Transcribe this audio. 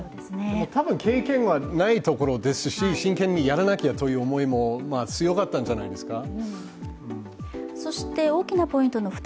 多分、経験がないところですし、真剣にやらなきゃという思いも強かったんじゃないですか？